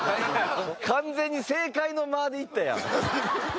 完全に正解の間でいったやん。